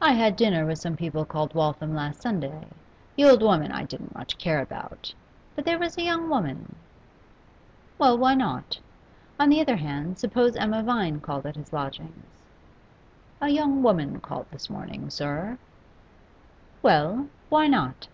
'I had dinner with some people called Waltham last Sunday. The old woman I didn't much care about; but there was a young woman ' Well, why not? On the other hand, suppose Emma Vine called at his lodgings. 'A young woman called this morning, sir ' Well, why not?